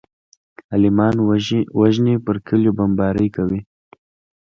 عالمان وژني پر کليو بمبارۍ کوي.